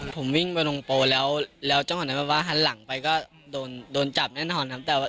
ผมวิ่งไปลงโปรแล้วแล้วจังหวะนั้นแบบว่าหันหลังไปก็โดนจับแน่นอนครับ